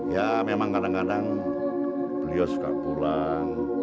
ya memang kadang kadang beliau suka pulang